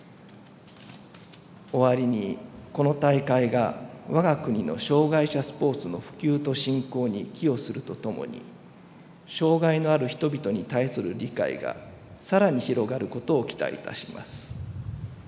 おわりに、この大会が我が国の障害者スポーツの普及と振興に寄与するとともに障害のある人々に対する理解がさらに広がることを期待いたします。